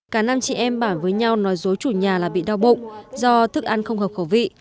cả năm chị em bản với nhau nói dối chủ nhà là bị đau bụng do thức ăn không hợp khẩu vị